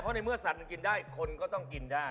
เพราะในเมื่อสัตว์มันกินได้คนก็ต้องกินได้